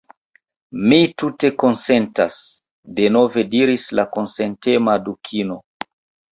"Mi tute konsentas," denove diris la konsentema Dukino. "